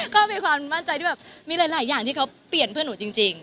ก็มีความมั่นใจที่แบบมีหลายอย่างที่เขาเปลี่ยนเพื่อนหนูจริง